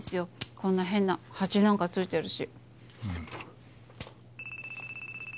こんな変なハチなんか付いてるし。